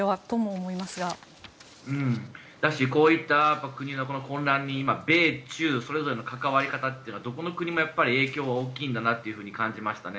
そうだしこういった国の混乱に米中それぞれとの関わり方っていうのはどこの国も影響が大きいんだなと感じましたね。